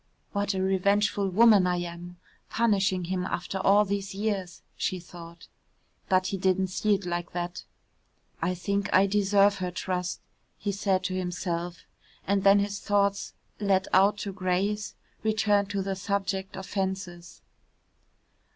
"What a revengeful woman I am, punishing him after all these years," she thought. But he didn't see it like that. "I think I deserve her trust," he said to himself, and then his thoughts, let out to graze, returned to the subject of fences.